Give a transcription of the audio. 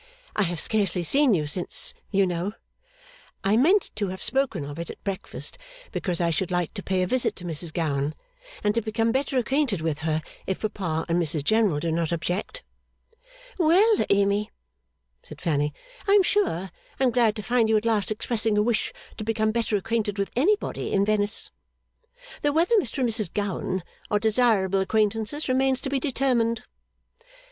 I have scarcely seen you since, you know. I meant to have spoken of it at breakfast; because I should like to pay a visit to Mrs Gowan, and to become better acquainted with her, if Papa and Mrs General do not object.' 'Well, Amy,' said Fanny, 'I am sure I am glad to find you at last expressing a wish to become better acquainted with anybody in Venice. Though whether Mr and Mrs Gowan are desirable acquaintances, remains to be determined.